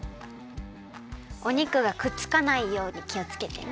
お肉がくっつかないようにきをつけてね。